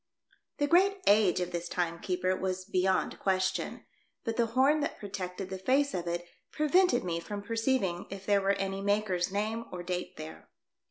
The great age of this time keeper was beyond question, but the horn that protected the face of it prevented me from perceiving if there was any maker's name or date there.